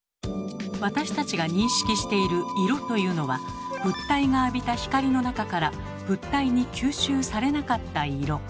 私たちが認識している色というのは物体が浴びた光の中から物体に吸収されなかった色。